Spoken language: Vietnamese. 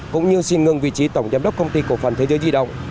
cũng như xin ngừng vị trí tổng giám đốc công ty cổ phần thế giới di động